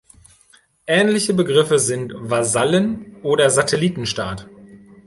Ähnliche Begriffe sind Vasallen- oder Satellitenstaat.